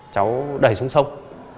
cháu đẩy xuống sông